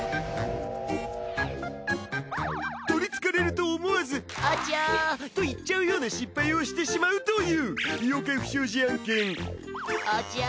とりつかれると思わずアチャーと言っちゃうような失敗をしてしまうという妖怪不祥事案件アチャー！